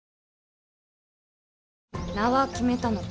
名は決めたのか。